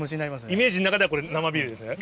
イメージの中ではこれ生ビールですね。